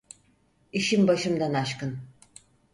İşim başımdan aşkın.